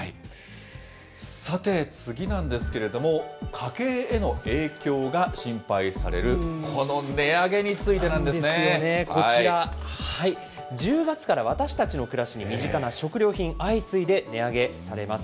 さて、次なんですけれども、家計への影響が心配される、こちら、１０月から私たちの暮らしに身近な食料品、相次いで値上げされます。